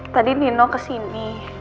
tadi nino kesini